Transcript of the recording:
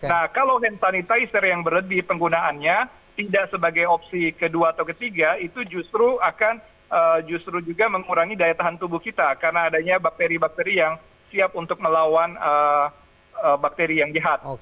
nah kalau hand sanitizer yang berlebih penggunaannya tidak sebagai opsi kedua atau ketiga itu justru akan justru juga mengurangi daya tahan tubuh kita karena adanya bakteri bakteri yang siap untuk melawan bakteri yang jahat